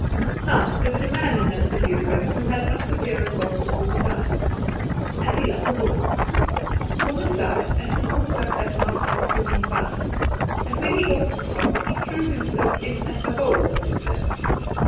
Now, there was a man in that city of Rome who had not the fear of God before his eyes, and he loved a woman. The woman died, and he walked up that mountain spitting fire, and when he got to the top he threw himself in at the hole that is there.